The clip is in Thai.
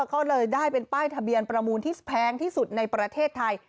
ก็เลยได้เป็นป้ายทะเบียนประมูลที่แพงที่สุดในประเทศไทย